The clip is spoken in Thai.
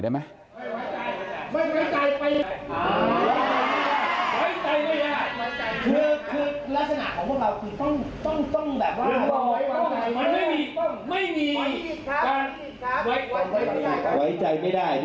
ไว้ใจไม่ได้คือลักษณะของพวกเราคือต้องไม่มีการไว้ใจ